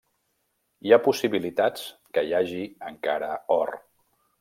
Hi ha possibilitats que hi hagi encara or.